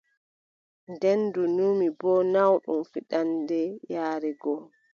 Nden ndu numi boo naawɗum fiɗaande yaare go.